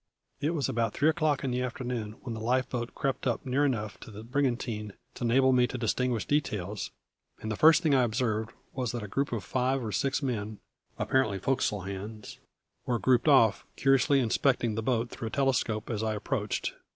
It was about three o'clock in the afternoon when the life boat crept up near enough to the brigantine to enable me to distinguish details; and the first thing I observed was that a group of five or six men apparently forecastle hands were grouped aft, curiously inspecting the boat through a telescope as I approached.